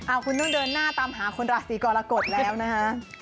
คุณต้องเดินหน้าตามหาคนราศีกรกฎแล้วนะฮะ